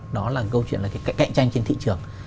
đó là câu chuyện là cái cạnh tranh trên thị trường